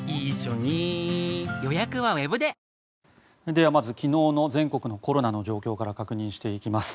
ではまず昨日の全国のコロナの状況から確認していきます。